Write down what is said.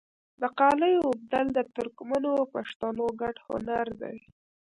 د قالیو اوبدل د ترکمنو او پښتنو ګډ هنر دی.